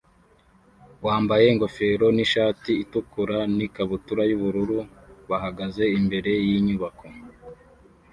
wambaye ingofero nishati itukura n ikabutura yubururu bahagaze imbere yinyubako